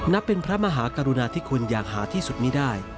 เป็นพระมหากรุณาธิคุณอย่างหาที่สุดมีได้